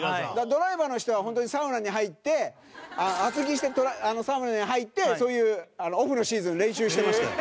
ドライバーの人は本当に、サウナに入って厚着してサウナに入ってそういう、オフのシーズン練習してましたよ。